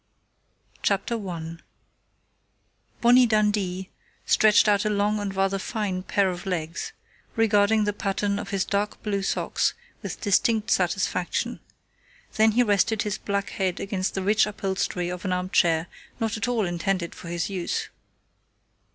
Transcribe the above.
] CHAPTER ONE Bonnie Dundee stretched out a long and rather fine pair of legs, regarding the pattern of his dark blue socks with distinct satisfaction; then he rested his black head against the rich upholstery of an armchair not at all intended for his use.